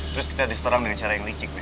terus kita diserang dengan cara yang licik nih